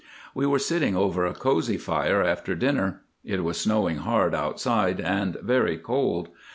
We were sitting over a cosy fire after dinner. It was snowing hard outside, and very cold.